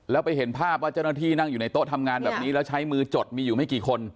แล้วไปเห็นภาพว่าเจ้าหน้าที่นั่งอยู่ในโต๊ะทำงานแบบนี้แล้วใช้มือจดมีอยู่ไม่กี่คน